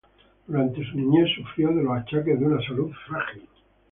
Durante su niñez sufrió de los achaques de una salud frágil.